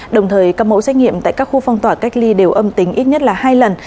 đồng thời các mẫu xét nghiệm tại các khu phong tỏa cách ly đều âm tính ít nhất là hai lần